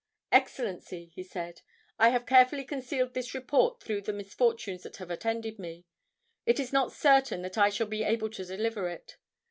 "Excellency," he said, "I have carefully concealed this report through the misfortunes that have attended me. It is not certain that I shall be able to deliver it.